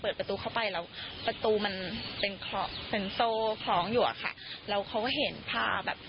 ประตูเข้าไปแล้วประตูมันเป็นโซ่คล้องอยู่อะค่ะแล้วเขาก็เห็นภาพแบบ